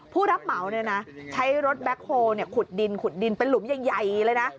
ผู้รับเหมาใช้รถแบ็คโฮลขุดดินขุดดินเป็นหลุมใหญ่เลยนะ